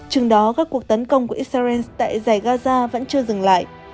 chừng đó các cuộc tấn công của israel tại giải gaza vẫn chưa dừng lại